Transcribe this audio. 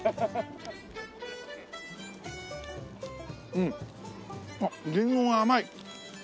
うんあっりんごが甘い！